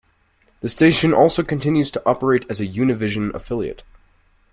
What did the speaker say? The station also continues to operate as a Univision affiliate.